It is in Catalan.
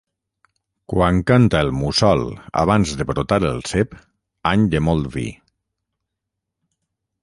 Quan canta el mussol abans de brotar el cep, any de molt vi.